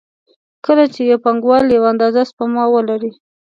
کله چې یو پانګوال یوه اندازه سپما ولري